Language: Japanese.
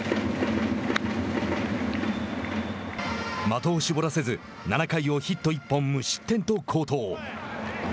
的を絞らせず７回をヒット１本無失点と好投。